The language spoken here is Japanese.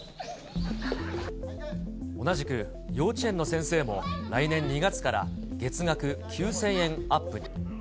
同じく幼稚園の先生も、来年２月から月額９０００円アップに。